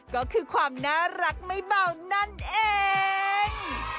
ก็คือความน่ารักไม่เบานั่นเอง